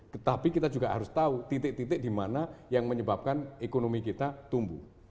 tetapi kita juga harus tahu titik titik di mana yang menyebabkan ekonomi kita tumbuh